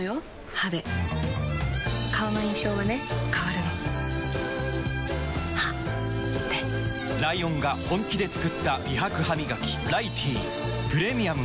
歯で顔の印象はね変わるの歯でライオンが本気で作った美白ハミガキ「ライティー」プレミアムも